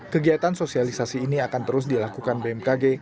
kegiatan sosialisasi ini akan terus dilakukan bmkg